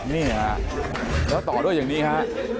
นี่ฮะแล้วต่อด้วยอย่างนี้ฮะ